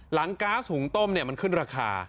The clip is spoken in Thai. หลังก๊าสหุงต้มเนี่ยมันขึ้นราคา